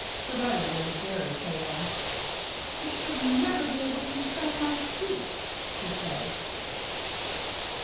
Sorelli was very pale. "I shall never be able to recite my speech," she said.